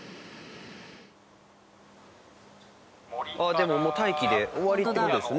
でももう待機で終わりって事ですね。